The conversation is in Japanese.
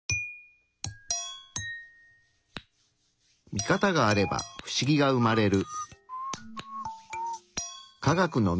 ミカタがあればフシギが生まれる。